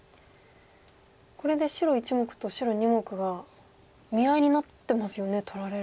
これで白１目と白２目が見合いになってますよね取られる。